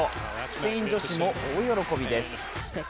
スペイン女子も大喜びです。